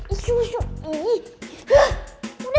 udah sana pergi